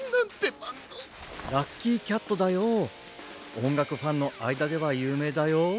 おんがくファンのあいだではゆうめいだよ。